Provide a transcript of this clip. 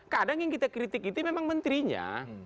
kadang yang kita kritik itu memang menterinya